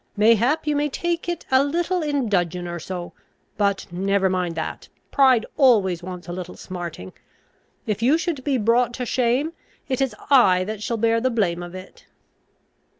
Mayhap you may take it a little in dudgeon or so; but never mind that. Pride always wants a little smarting. If you should be brought to shame, it is I that shall bear the blame of it."